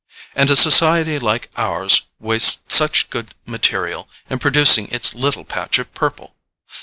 And a society like ours wastes such good material in producing its little patch of purple!